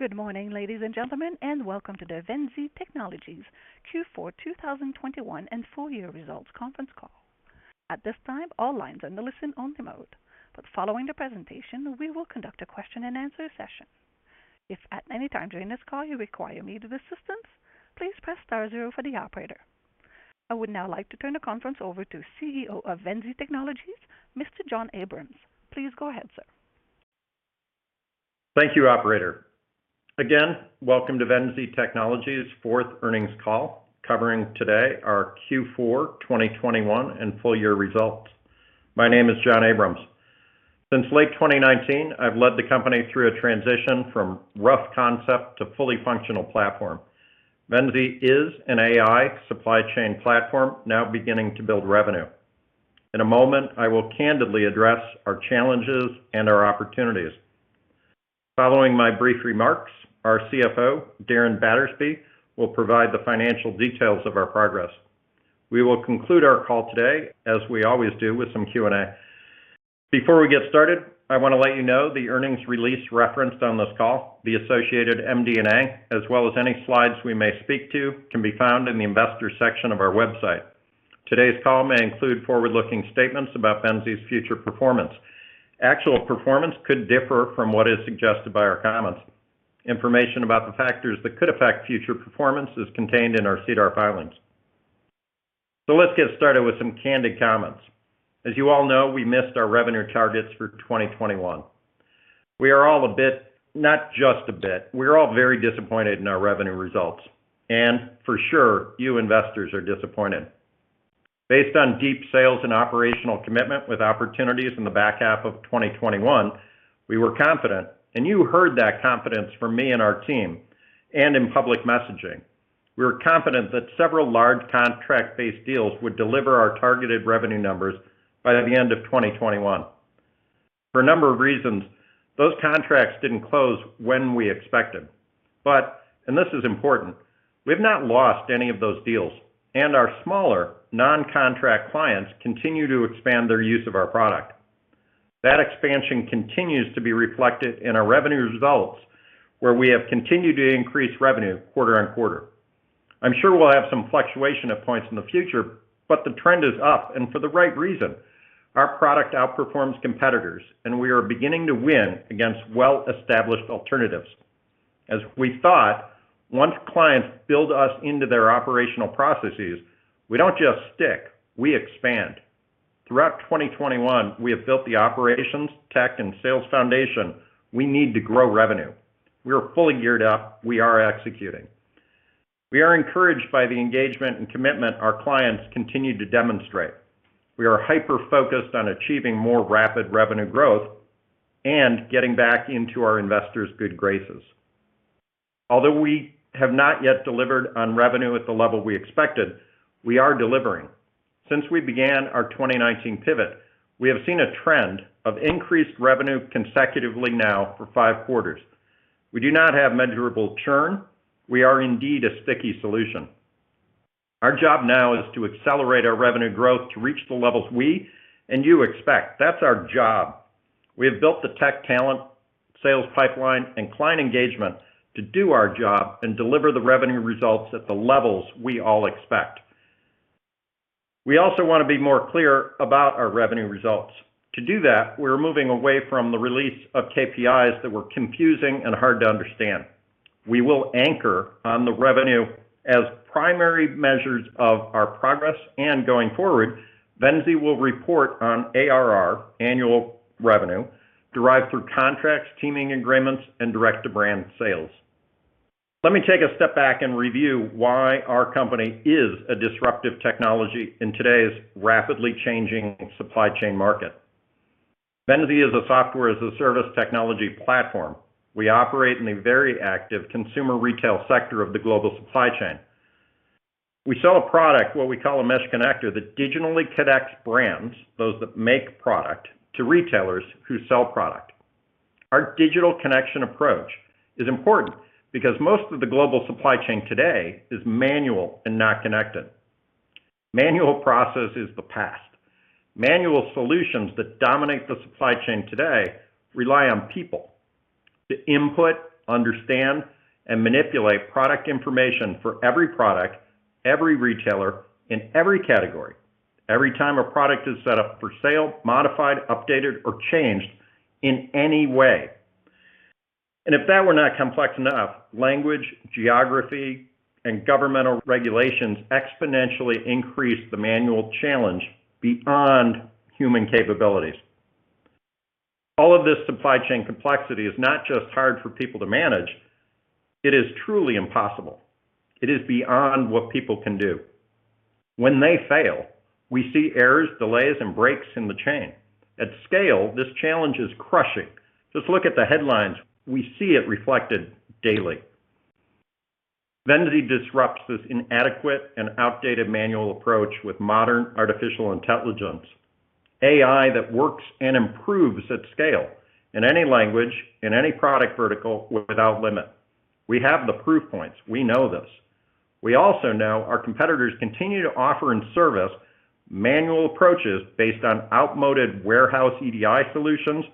Good morning, ladies and gentlemen, and welcome to the Venzee Technologies Q4 2021 and full year results conference call. At this time, all lines are in the listen only mode, but following the presentation, we will conduct a question and answer session. If at any time during this call you require immediate assistance, please press star zero for the operator. I would now like to turn the conference over to CEO of Venzee Technologies, Mr. John Sexton Abrams. Please go ahead, sir. Thank you, operator. Again, welcome to Venzee Technologies fourth earnings call covering today our Q4 2021 and full year results. My name is John Abrams. Since late 2019, I've led the company through a transition from rough concept to fully functional platform. Venzee is an AI supply chain platform now beginning to build revenue. In a moment, I will candidly address our challenges and our opportunities. Following my brief remarks, our CFO, Darren Battersby, will provide the financial details of our progress. We will conclude our call today, as we always do, with some Q&A. Before we get started, I want to let you know the earnings release referenced on this call, the associated MD&A, as well as any slides we may speak to, can be found in the Investors section of our website. Today's call may include forward-looking statements about Venzee's future performance. Actual performance could differ from what is suggested by our comments. Information about the factors that could affect future performance is contained in our SEDAR filings. Let's get started with some candid comments. As you all know, we missed our revenue targets for 2021. We are all a bit, not just a bit, we're all very disappointed in our revenue results, and for sure you investors are disappointed. Based on deep sales and operational commitment with opportunities in the back half of 2021, we were confident, and you heard that confidence from me and our team and in public messaging. We were confident that several large contract-based deals would deliver our targeted revenue numbers by the end of 2021. For a number of reasons, those contracts didn't close when we expected. and this is important, we've not lost any of those deals, and our smaller non-contract clients continue to expand their use of our product. That expansion continues to be reflected in our revenue results, where we have continued to increase revenue quarter-on-quarter. I'm sure we'll have some fluctuation at points in the future, but the trend is up and for the right reason. Our product outperforms competitors, and we are beginning to win against well-established alternatives. As we thought, once clients build us into their operational processes, we don't just stick, we expand. Throughout 2021, we have built the operations, tech, and sales foundation we need to grow revenue. We are fully geared up. We are executing. We are encouraged by the engagement and commitment our clients continue to demonstrate. We are hyper-focused on achieving more rapid revenue growth and getting back into our investors' good graces. Although we have not yet delivered on revenue at the level we expected, we are delivering. Since we began our 2019 pivot, we have seen a trend of increased revenue consecutively now for five quarters. We do not have measurable churn. We are indeed a sticky solution. Our job now is to accelerate our revenue growth to reach the levels we and you expect. That's our job. We have built the tech talent, sales pipeline, and client engagement to do our job and deliver the revenue results at the levels we all expect. We also want to be more clear about our revenue results. To do that, we're moving away from the release of KPIs that were confusing and hard to understand. We will anchor on the revenue as primary measures of our progress, and going forward, Venzee Technologies will report on ARR, annual revenue, derived through contracts, teaming agreements, and direct-to-brand sales. Let me take a step back and review why our company is a disruptive technology in today's rapidly changing supply chain market. Venzee Technologies is a software as a service technology platform. We operate in the very active consumer retail sector of the global supply chain. We sell a product, what we call a Mesh Connector, that digitally connects brands, those that make product, to retailers who sell product. Our digital connection approach is important because most of the global supply chain today is manual and not connected. Manual process is the past. Manual solutions that dominate the supply chain today rely on people to input, understand, and manipulate product information for every product, every retailer, in every category, every time a product is set up for sale, modified, updated, or changed in any way. If that were not complex enough, language, geography, and governmental regulations exponentially increase the manual challenge beyond human capabilities. All of this supply chain complexity is not just hard for people to manage, it is truly impossible. It is beyond what people can do. When they fail, we see errors, delays, and breaks in the chain. At scale, this challenge is crushing. Just look at the headlines. We see it reflected daily. Venzee disrupts this inadequate and outdated manual approach with modern artificial intelligence, AI that works and improves at scale in any language, in any product vertical, without limit. We have the proof points. We know this. We also know our competitors continue to offer and service manual approaches based on outmoded warehouse EDI solutions,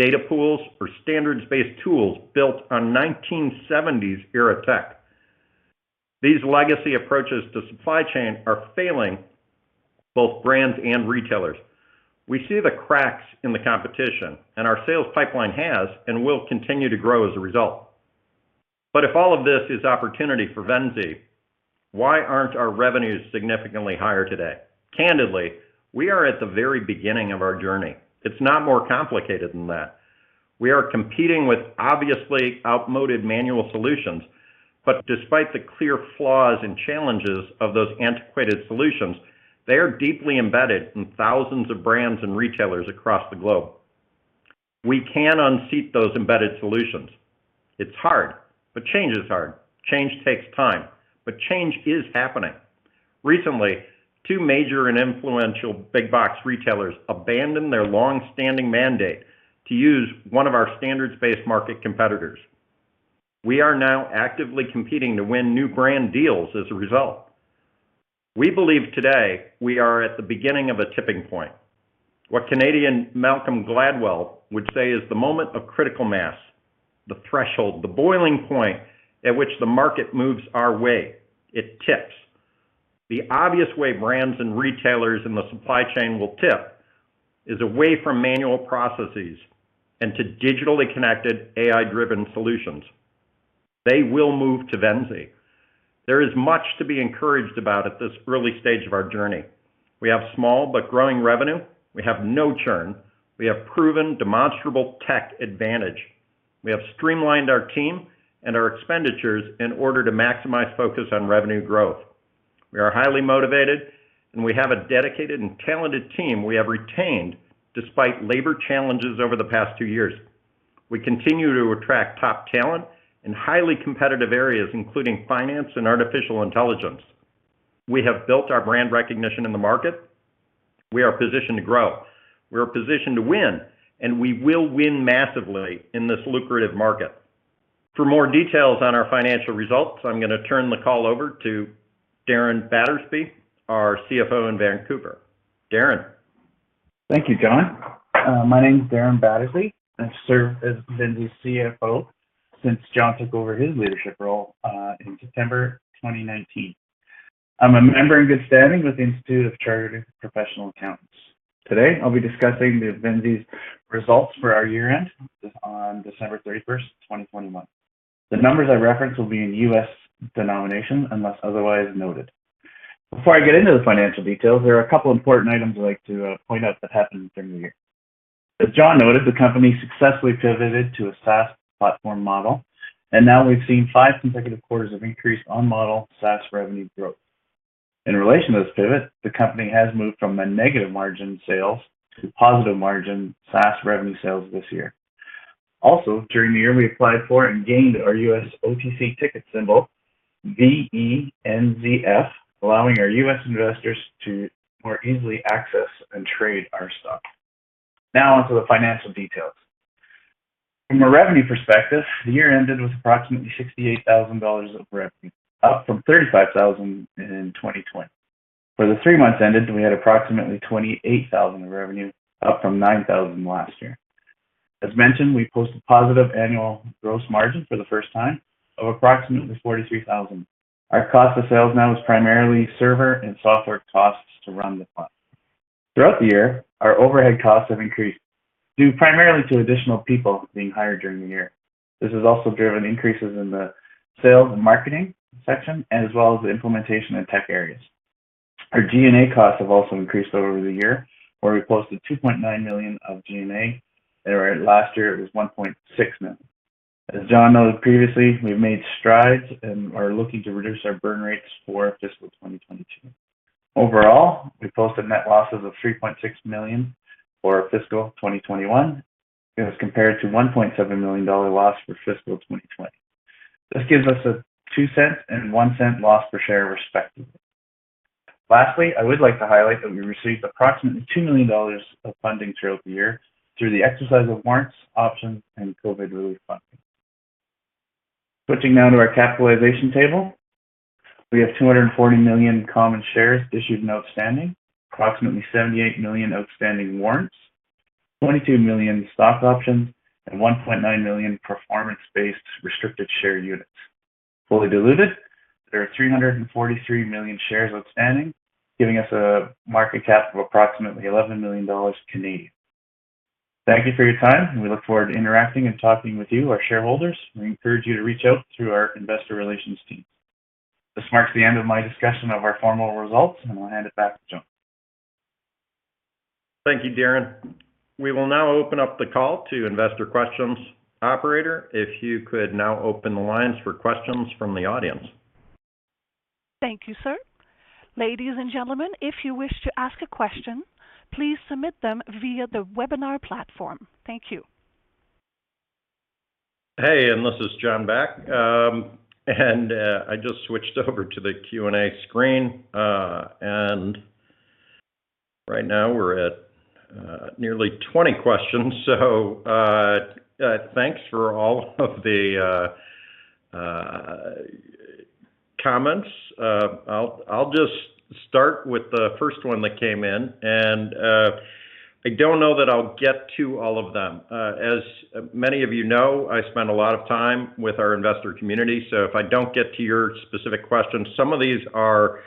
data pools, or standards-based tools built on 1970s-era tech. These legacy approaches to supply chain are failing both brands and retailers. We see the cracks in the competition, and our sales pipeline has and will continue to grow as a result. If all of this is opportunity for Venzee, why aren't our revenues significantly higher today? Candidly, we are at the very beginning of our journey. It's not more complicated than that. We are competing with obviously outmoded manual solutions. Despite the clear flaws and challenges of those antiquated solutions, they are deeply embedded in thousands of brands and retailers across the globe. We can unseat those embedded solutions. It's hard, but change is hard. Change takes time, but change is happening. Recently, two major and influential big box retailers abandoned their long-standing mandate to use one of our standards-based market competitors. We are now actively competing to win new brand deals as a result. We believe today we are at the beginning of a tipping point. What Canadian Malcolm Gladwell would say is the moment of critical mass, the threshold, the boiling point at which the market moves our way, it tips. The obvious way brands and retailers in the supply chain will tip is away from manual processes and to digitally connected AI-driven solutions. They will move to Venzee. There is much to be encouraged about at this early stage of our journey. We have small but growing revenue. We have no churn. We have proven demonstrable tech advantage. We have streamlined our team and our expenditures in order to maximize focus on revenue growth. We are highly motivated, and we have a dedicated and talented team we have retained despite labor challenges over the past two years. We continue to attract top talent in highly competitive areas, including finance and artificial intelligence. We have built our brand recognition in the market. We are positioned to grow, we are positioned to win, and we will win massively in this lucrative market. For more details on our financial results, I'm gonna turn the call over to Darren Battersby, our CFO in Vancouver. Darren. Thank you, John. My name is Darren Battersby. I've served as Venzee's CFO since John took over his leadership role in September 2019. I'm a member in good standing with the Institute of Chartered Professional Accountants. Today, I'll be discussing Venzee's results for our year-end on December 31st, 2021. The numbers I reference will be in U.S. dollars unless otherwise noted. Before I get into the financial details, there are a couple important items I'd like to point out that happened during the year. As John noted, the company successfully pivoted to a SaaS platform model, and now we've seen five consecutive quarters of increased on-model SaaS revenue growth. In relation to this pivot, the company has moved from a negative margin sales to positive margin SaaS revenue sales this year. During the year, we applied for and gained our U.S. OTC ticket symbol, VENZF, allowing our U.S. investors to more easily access and trade our stock. Now onto the financial details. From a revenue perspective, the year ended with approximately $68,000 of revenue, up from $35,000 in 2020. For the three months ended, we had approximately $28,000 of revenue, up from $9,000 last year. As mentioned, we posted positive annual gross margin for the first time of approximately $43,000. Our cost of sales now is primarily server and software costs to run the platform. Throughout the year, our overhead costs have increased, due primarily to additional people being hired during the year. This has also driven increases in the sales and marketing section, as well as the implementation and tech areas. Our G&A costs have also increased over the year, where we posted $2.9 million of G&A, and last year it was $1.6 million. As John noted previously, we've made strides and are looking to reduce our burn rates for fiscal 2022. Overall, we posted net losses of $3.6 million for fiscal 2021. It was compared to $1.7 million dollar loss for fiscal 2020. This gives us a $0.02 and $0.01 loss per share, respectively. Lastly, I would like to highlight that we received approximately $2 million of funding throughout the year through the exercise of warrants, options, and COVID relief funding. Switching now to our capitalization table. We have 240 million common shares issued and outstanding, approximately 78 million outstanding warrants, 22 million stock options, and 1.9 million performance-based restricted share units. Fully diluted, there are 343 million shares outstanding, giving us a market cap of approximately 11 million Canadian dollars. Thank you for your time, and we look forward to interacting and talking with you, our shareholders. We encourage you to reach out through our investor relations team. This marks the end of my discussion of our formal results, and I'll hand it back to John. Thank you, Darren. We will now open up the call to investor questions. Operator, if you could now open the lines for questions from the audience. Thank you, sir. Ladies and gentlemen, if you wish to ask a question, please submit them via the webinar platform. Thank you. Hey, this is John back. I just switched over to the Q&A screen, and right now we're at nearly 20 questions. Thanks for all of the comments. I'll just start with the first one that came in, and I don't know that I'll get to all of them. As many of you know, I spend a lot of time with our investor community, so if I don't get to your specific question, some of these are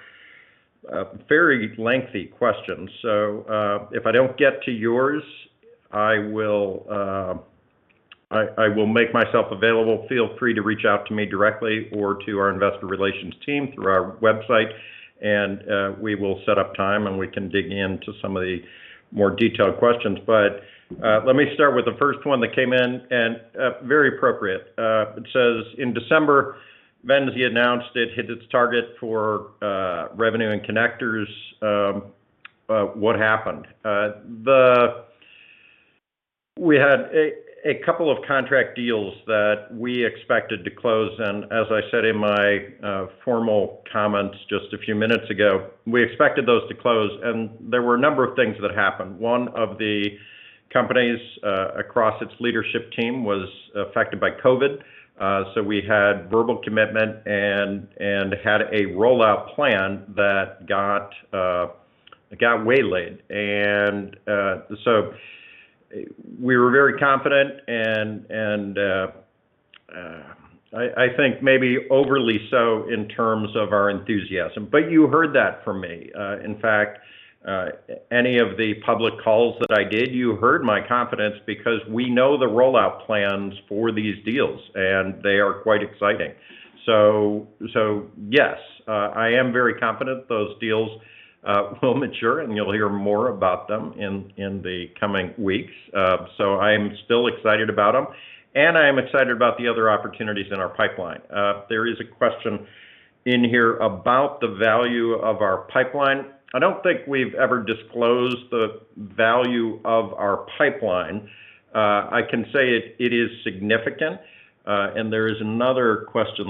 very lengthy questions. If I don't get to yours, I will make myself available. Feel free to reach out to me directly or to our investor relations team through our website, and we will set up time, and we can dig into some of the more detailed questions. Let me start with the first one that came in and very appropriate. It says, In December, Venzee announced it hit its target for revenue and connectors. What happened? We had a couple of contract deals that we expected to close, and as I said in my formal comments just a few minutes ago, we expected those to close, and there were a number of things that happened. One of the companies across its leadership team was affected by COVID. So we had verbal commitment and had a rollout plan that got waylaid. So we were very confident and I think maybe overly so in terms of our enthusiasm. You heard that from me. In fact, any of the public calls that I did, you heard my confidence because we know the rollout plans for these deals, and they are quite exciting. Yes, I am very confident those deals will mature, and you'll hear more about them in the coming weeks. I'm still excited about them, and I am excited about the other opportunities in our pipeline. There is a question in here about the value of our pipeline. I don't think we've ever disclosed the value of our pipeline. I can say it is significant. There is another question.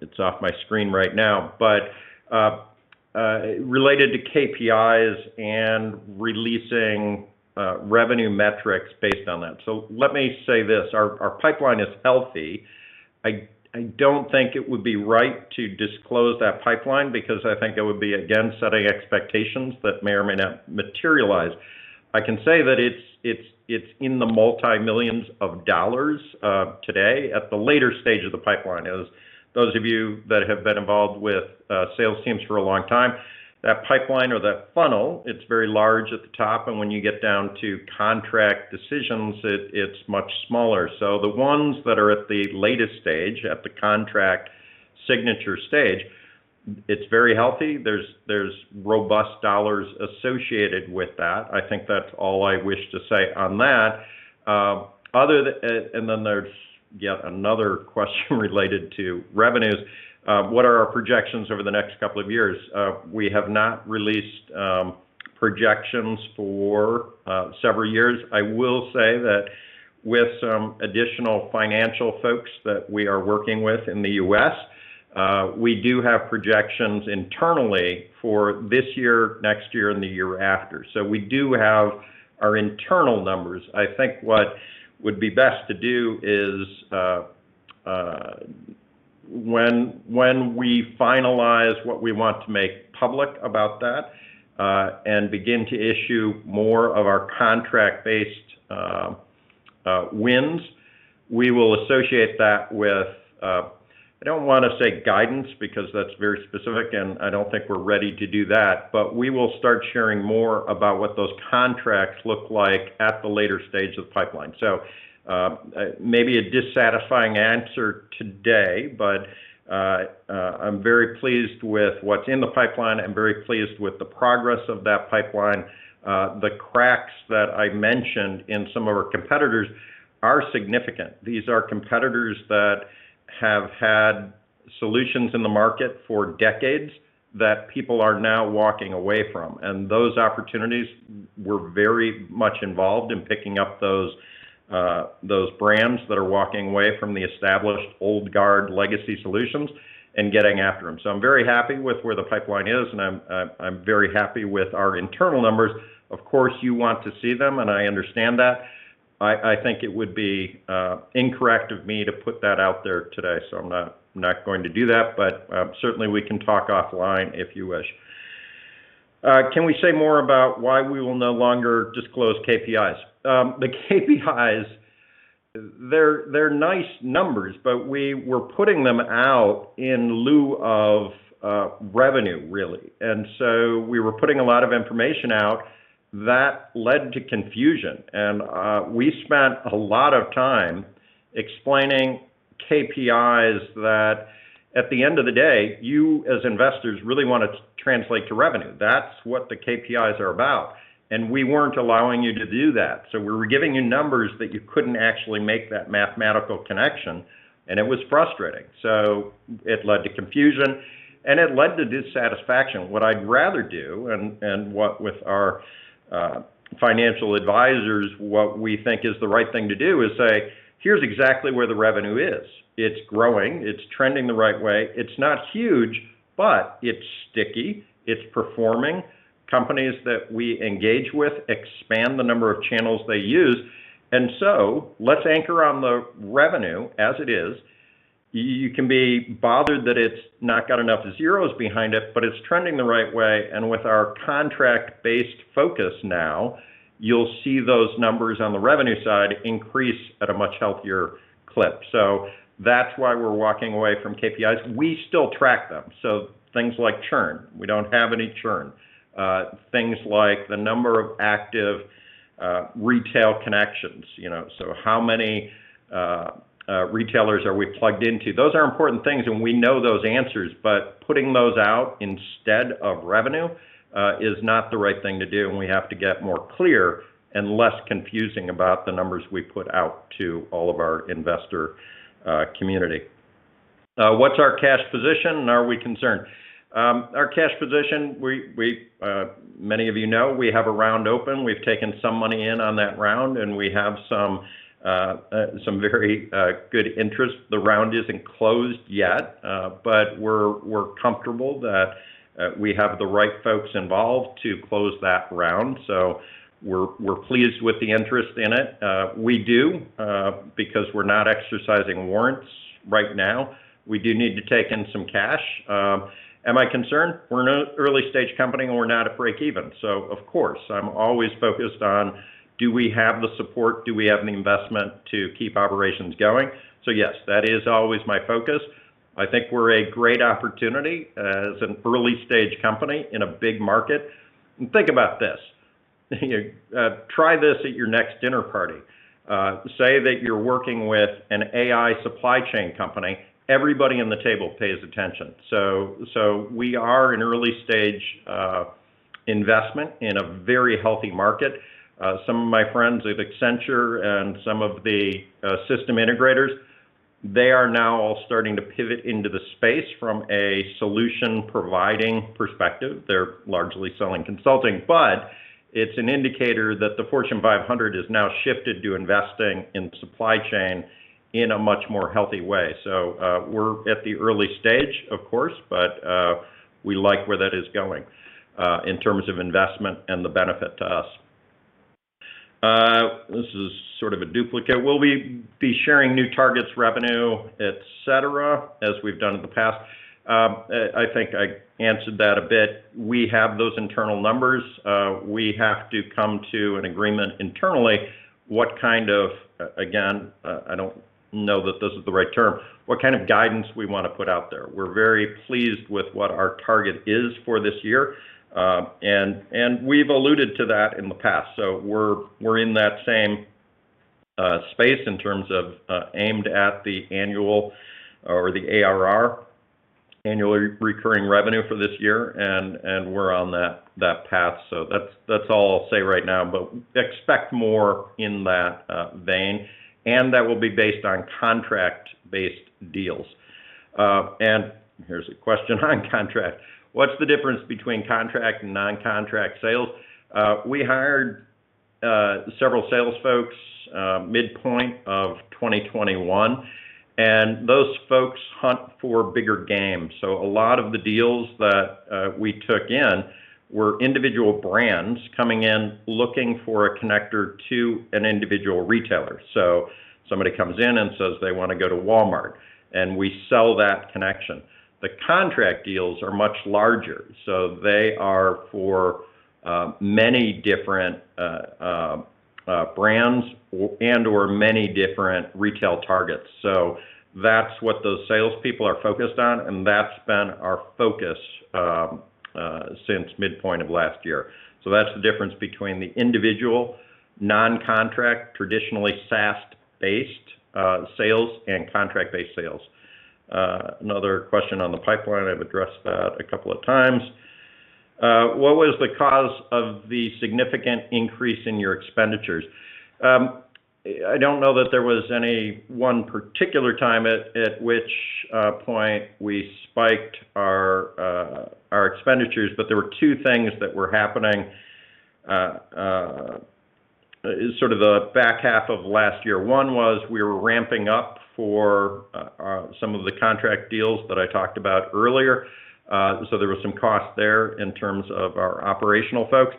It's off my screen right now, but related to KPIs and releasing revenue metrics based on that. Let me say this, our pipeline is healthy. I don't think it would be right to disclose that pipeline because I think it would be, again, setting expectations that may or may not materialize. I can say that it's in the multi-millions today at the later stage of the pipeline. As those of you that have been involved with sales teams for a long time, that pipeline or that funnel, it's very large at the top, and when you get down to contract decisions, it's much smaller. The ones that are at the latest stage, at the contract signature stage, it's very healthy. There's robust dollars associated with that. I think that's all I wish to say on that. Other than, then there's yet another question related to revenues. What are our projections over the next couple of years? We have not released projections for several years. I will say that with some additional financial folks that we are working with in the U.S., we do have projections internally for this year, next year, and the year after. We do have our internal numbers. I think what would be best to do is when we finalize what we want to make public about that and begin to issue more of our contract-based wins, we will associate that with I don't wanna say guidance because that's very specific, and I don't think we're ready to do that, but we will start sharing more about what those contracts look like at the later stage of the pipeline. Maybe a dissatisfying answer today, but I'm very pleased with what's in the pipeline. I'm very pleased with the progress of that pipeline. The cracks that I mentioned in some of our competitors are significant. These are competitors that have had solutions in the market for decades that people are now walking away from. Those opportunities, we're very much involved in picking up those brands that are walking away from the established old guard legacy solutions and getting after them. I'm very happy with where the pipeline is, and I'm very happy with our internal numbers. Of course, you want to see them, and I understand that. I think it would be incorrect of me to put that out there today, so I'm not going to do that. Certainly, we can talk offline if you wish. Can we say more about why we will no longer disclose KPIs? The KPIs, they're nice numbers, but we were putting them out in lieu of revenue, really. We were putting a lot of information out that led to confusion. We spent a lot of time explaining KPIs that at the end of the day, you as investors really want to translate to revenue. That's what the KPIs are about, and we weren't allowing you to do that. We were giving you numbers that you couldn't actually make that mathematical connection, and it was frustrating. It led to confusion, and it led to dissatisfaction. What I'd rather do, and what our financial advisors think is the right thing to do is say, Here's exactly where the revenue is. It's growing. It's trending the right way. It's not huge, but it's sticky. It's performing. Companies that we engage with expand the number of channels they use. Let's anchor on the revenue as it is. You can be bothered that it's not got enough zeros behind it, but it's trending the right way. With our contract-based focus now, you'll see those numbers on the revenue side increase at a much healthier clip. That's why we're walking away from KPIs. We still track them. Things like churn, we don't have any churn. Things like the number of active retail connections, you know. How many retailers are we plugged into? Those are important things, and we know those answers, but putting those out instead of revenue is not the right thing to do, and we have to get more clear and less confusing about the numbers we put out to all of our investor community. What's our cash position, and are we concerned? Our cash position, many of you know, we have a round open. We've taken some money in on that round, and we have some very good interest. The round isn't closed yet, but we're comfortable that we have the right folks involved to close that round. We're pleased with the interest in it. Because we're not exercising warrants right now, we do need to take in some cash. Am I concerned? We're an early-stage company, and we're not at breakeven. Of course, I'm always focused on do we have the support, do we have the investment to keep operations going? Yes, that is always my focus. I think we're a great opportunity as an early-stage company in a big market. Think about this. Try this at your next dinner party. Say that you're working with an AI supply chain company. Everybody at the table pays attention. We are an early-stage investment in a very healthy market. Some of my friends at Accenture and some of the system integrators, they are now all starting to pivot into the space from a solution-providing perspective. They're largely selling consulting. It's an indicator that the Fortune 500 has now shifted to investing in supply chain in a much more healthy way. We're at the early stage, of course, but we like where that is going in terms of investment and the benefit to us. This is sort of a duplicate. Will we be sharing new targets, revenue, etc., as we've done in the past? I think I answered that a bit. We have those internal numbers. We have to come to an agreement internally what kind of, again, I don't know that this is the right term, what kind of guidance we want to put out there. We're very pleased with what our target is for this year. We've alluded to that in the past. We're in that same space in terms of aimed at the annual or the ARR, annually recurring revenue for this year, and we're on that path. That's all I'll say right now, but expect more in that vein, and that will be based on contract-based deals. Here's a question on contract. What's the difference between contract and non-contract sales? We hired several sales folks midpoint of 2021, and those folks hunt for bigger game. A lot of the deals that we took in were individual brands coming in looking for a connector to an individual retailer. Somebody comes in and says they want to go to Walmart, and we sell that connection. The contract deals are much larger, so they are for many different brands and/or many different retail targets. That's what those salespeople are focused on, and that's been our focus since midpoint of last year. That's the difference between the individual non-contract, traditionally SaaS-based sales and contract-based sales. Another question on the pipeline. I've addressed that a couple of times. What was the cause of the significant increase in your expenditures? I don't know that there was any one particular time at which point we spiked our expenditures, but there were two things that were happening sort of the back half of last year. One was we were ramping up for some of the contract deals that I talked about earlier. There was some cost there in terms of our operational folks.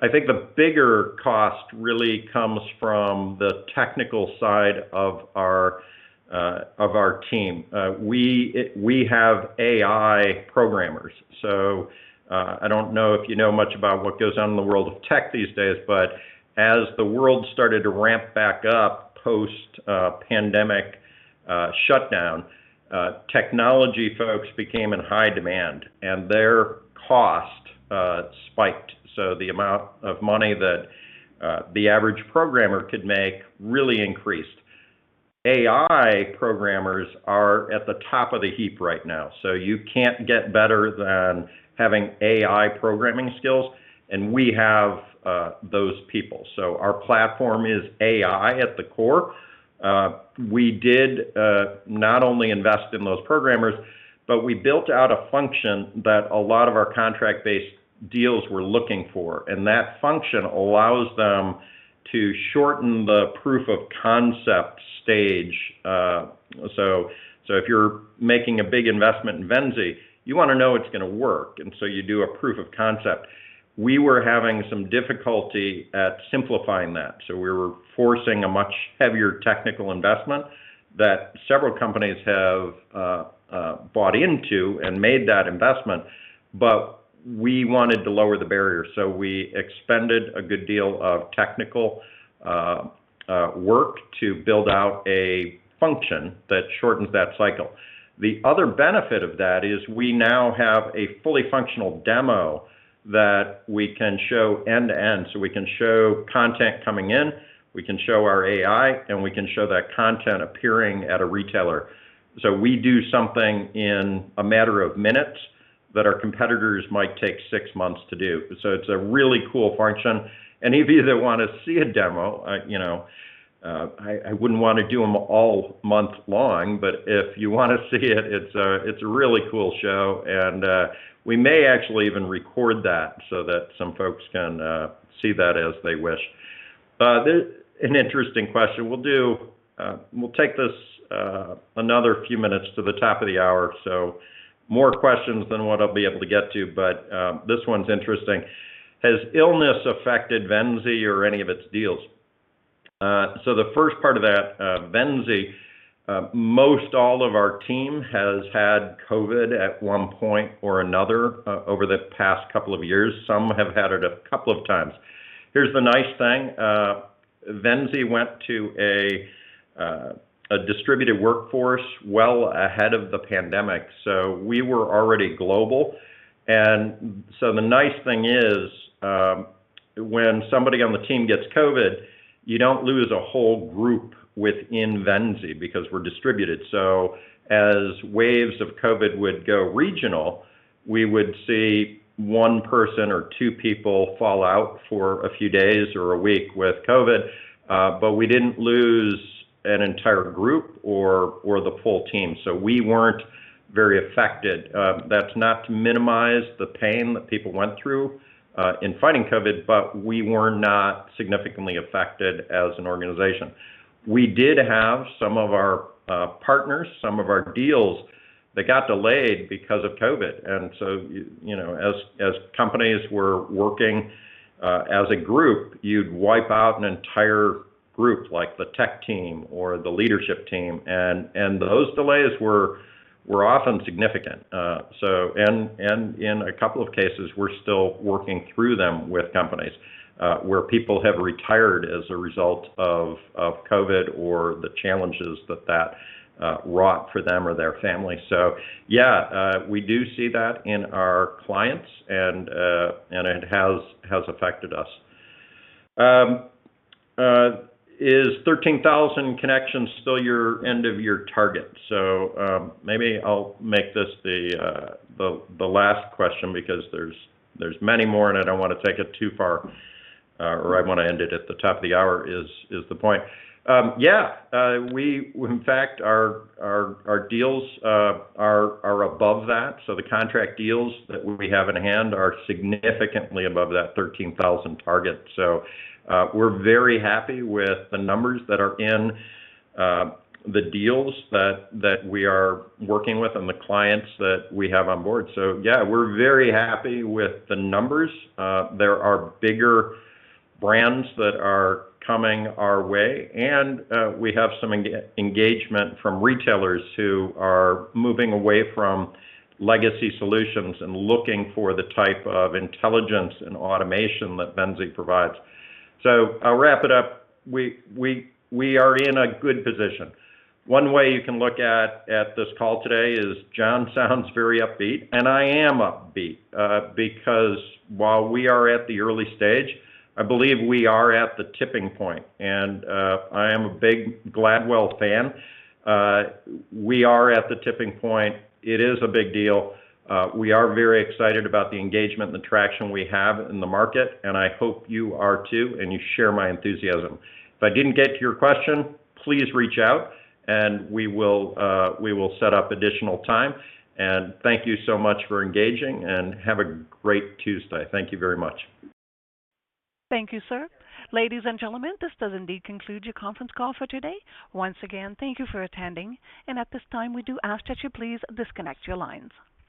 I think the bigger cost really comes from the technical side of our team. We have AI programmers. I don't know if you know much about what goes on in the world of tech these days, but as the world started to ramp back up post-pandemic shutdown, technology folks became in high demand, and their cost spiked. The amount of money that the average programmer could make really increased. AI programmers are at the top of the heap right now, so you can't get better than having AI programming skills, and we have those people. Our platform is AI at the core. We did not only invest in those programmers but we built out a function that a lot of our contract-based deals were looking for, and that function allows them to shorten the proof of concept stage. If you're making a big investment in Venzee, you wanna know it's gonna work, and so you do a proof of concept. We were having some difficulty in simplifying that, so we were forcing a much heavier technical investment that several companies have bought into and made that investment. We wanted to lower the barrier, so we expended a good deal of technical work to build out a function that shortens that cycle. The other benefit of that is we now have a fully functional demo that we can show end to end. We can show content coming in, we can show our AI, and we can show that content appearing at a retailer. We do something in a matter of minutes that our competitors might take six months to do. It's a really cool function. Any of you that want to see a demo, you know, I wouldn't want to do them all month long, but if you want to see it's a really cool show. We may actually even record that so that some folks can see that as they wish. An interesting question. We'll take this, another few minutes to the top of the hour, so more questions than what I'll be able to get to, but, this one's interesting. Has illness affected Venzee or any of its deals? So the first part of that, Venzee, most all of our team has had COVID at one point or another over the past couple of years. Some have had it a couple of times. Here's the nice thing. Venzee went to a distributed workforce well ahead of the pandemic, so we were already global. The nice thing is, when somebody on the team gets COVID, you don't lose a whole group within Venzee because we're distributed. As waves of COVID would go regional, we would see one person or two people fall out for a few days or a week with COVID, but we didn't lose an entire group or the full team. We weren't very affected. That's not to minimize the pain that people went through in fighting COVID, but we were not significantly affected as an organization. We did have some of our partners, some of our deals that got delayed because of COVID. You know, as companies were working as a group, you'd wipe out an entire group like the tech team or the leadership team, and those delays were often significant. in a couple of cases, we're still working through them with companies, where people have retired as a result of COVID or the challenges that wrought for them or their family. we do see that in our clients and it has affected us. is 13,000 connections still your end of year target? maybe I'll make this the last question because there's many more, and I don't want to take it too far, or I want to end it at the top of the hour is the point. In fact, our deals are above that. the contract deals that we have in hand are significantly above that 13,000 target. We're very happy with the numbers that are in, the deals that we are working with and the clients that we have on board. Yeah, we're very happy with the numbers. There are bigger brands that are coming our way, and we have some engagement from retailers who are moving away from legacy solutions and looking for the type of intelligence and automation that Venzee provides. I'll wrap it up. We are in a good position. One way you can look at this call today is John sounds very upbeat, and I am upbeat, because while we are at the early stage, I believe we are at the tipping point. I am a big Gladwell fan. We are at the tipping point. It is a big deal. We are very excited about the engagement and the traction we have in the market, and I hope you are too, and you share my enthusiasm. If I didn't get to your question, please reach out, and we will set up additional time. Thank you so much for engaging, and have a great Tuesday. Thank you very much. Thank you, sir. Ladies and gentlemen, this does indeed conclude your conference call for today. Once again, thank you for attending. At this time, we do ask that you please disconnect your lines.